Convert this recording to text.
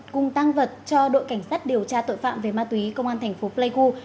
cùng tăng vật cho đội cảnh sát điều tra tội phạm về ma túy công an thành phố pleiku